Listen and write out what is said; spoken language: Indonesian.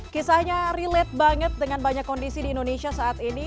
kisahnya relate banget dengan banyak kondisi di indonesia saat ini